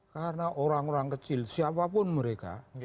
karena orang orang kecil siapapun mereka